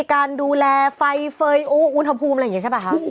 การดูแลไฟเฟย์โอ้อุณหภูมิอะไรอย่างนี้ใช่ป่ะคะ